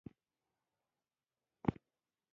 انګریزي جنرال استعفی منظوره نه کړه.